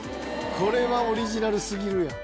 「これはオリジナルすぎるやろ」